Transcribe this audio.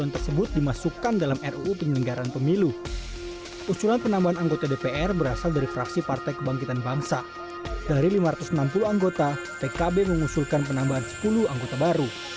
pertama penambahan anggota dpr di dpr